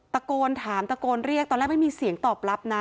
ตะโกนถามตะโกนเรียกตอนแรกไม่มีเสียงตอบรับนะ